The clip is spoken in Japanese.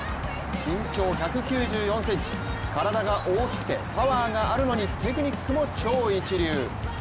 身長１９４ｃｍ、体が大きくてパワーがあるのにテクニックも超一流。